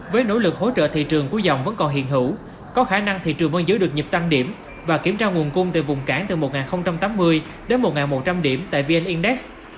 với nỗ lực hỗ trợ thị trường của dòng vẫn còn hiện hữu có khả năng thị trường vẫn giữ được nhịp tăng điểm và kiểm tra nguồn cung từ vùng cản từ một tám mươi đến một một trăm linh điểm tại vn index